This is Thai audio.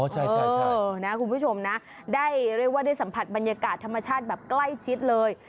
ใช่นะคุณผู้ชมนะได้เรียกว่าได้สัมผัสบรรยากาศธรรมชาติแบบใกล้ชิดเลย